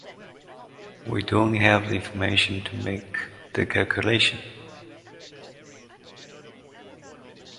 We don't have the information to make the calculation.